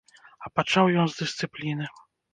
А пачаў ён з дысцыпліны.